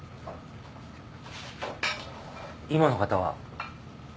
今の方は？